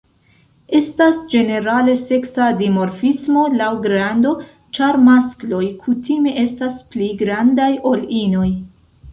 Estas ĝenerale seksa dimorfismo laŭ grando, ĉar maskloj kutime estas pli grandaj ol inoj.